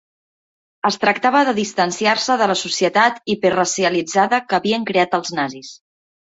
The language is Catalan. Es tractava de distanciar-se de la societat hiperracialitzada que havien creat els nazis.